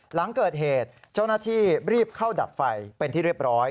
หลังเกิดเหตุเจ้าหน้าที่รีบเข้าดับไฟเป็นที่เรียบร้อย